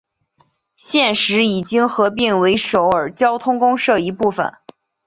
现时已经合并为首尔交通公社一部分。